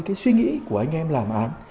cái suy nghĩ của anh em làm án